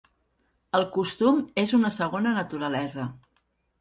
El costum és una segona naturalesa.